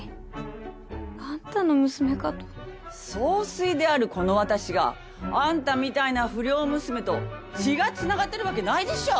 総帥であるこの私があんたみたいな不良娘と血が繋がってるわけないでしょ！